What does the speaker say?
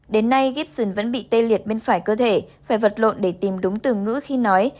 đến nay gibson vẫn bị tê liệt bên phải cơ thể phải vật lộn để tìm đúng từ ngữ khi nói